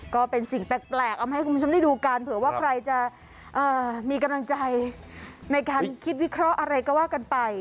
ก็เป็นสิ่งแปลกเอามาให้คุณผู้ชมได้ดูกันเผื่อว่าใครจะมีกำลังใจในการคิดวิเคราะห์อะไรก็ว่ากันไป